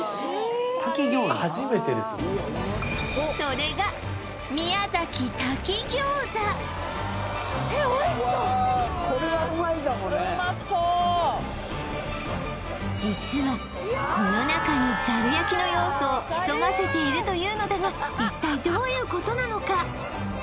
それが実はこの中にざる焼の要素を潜ませているというのだが一体どういうことなのか？